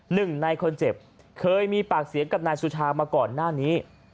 หนึ่งในคนเจ็บเคยมีปากเสียงกับนายสุชามาก่อนหน้านี้